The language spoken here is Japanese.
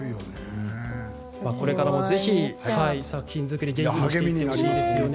これからもぜひ、作品作り元気にしてほしいですね。